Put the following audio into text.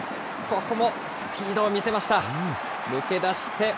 ここもスピードを見せました。